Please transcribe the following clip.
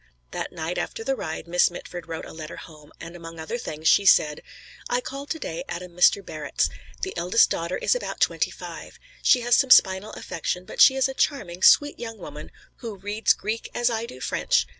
That night after the ride, Miss Mitford wrote a letter home and among other things she said: "I called today at a Mr. Barrett's. The eldest daughter is about twenty five. She has some spinal affection, but she is a charming, sweet young woman who reads Greek as I do French.